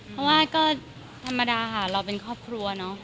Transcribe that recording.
เพราะว่าก็ธรรมดาค่ะเราเป็นครอบครัวเนอะ